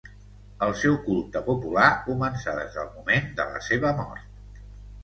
El seu culte popular començà des del moment de la seva mort.